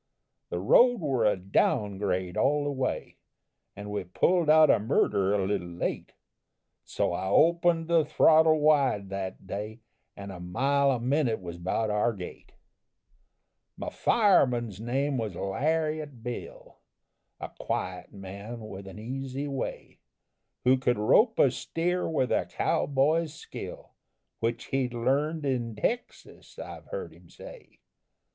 The road were a down grade all the way, An' we pulled out of Murder a little late, So I opened the throttle wide that day, And a mile a minute was 'bout our gait. "My fireman's name was Lariat Bill, A quiet man with an easy way, Who could rope a steer with a cow boy's skill, Which he'd learned in Texas, I've heard him say.